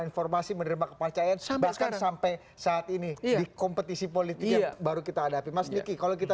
informasi menerima kepercayaan sampai sampai saat ini kompetisi politik baru kita ada kalau kita